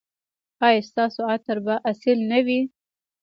ایا ستاسو عطر به اصیل نه وي؟